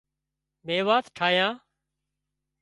ميوات ٺاهيا